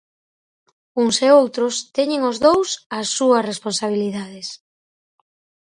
Uns e outros, teñen os dous as súas responsabilidades.